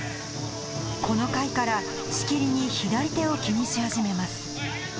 この回からしきりに左手を気にし始めます